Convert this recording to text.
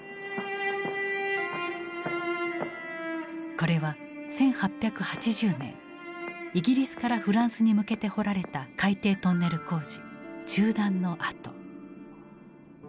これは１８８０年イギリスからフランスに向けて掘られた海底トンネル工事中断の跡。